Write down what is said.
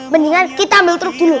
mendingan kita ambil truk dulu